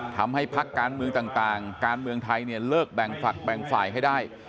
พักการเมืองต่างการเมืองไทยเนี่ยเลิกแบ่งฝักแบ่งฝ่ายให้ได้